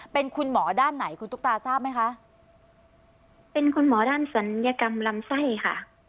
เป็นคุณหมอด้านไหนคุณตุ๊กตาทราบไหมคะเป็นคุณหมอด้านศัลยกรรมลำไส้ค่ะ